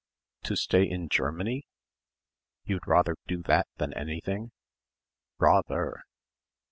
"To stay in Germany? You'd rather do that than anything?" "_Rather.